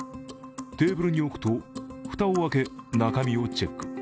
テーブルに置くと、蓋を開け、中身をチェック。